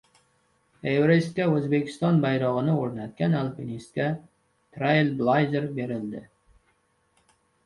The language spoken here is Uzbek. Everestga O‘zbekiston bayrog‘ini o‘rnatgan alpinistga Trailblaizer berildi